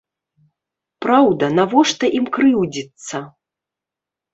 Праўда, навошта ім крыўдзіцца?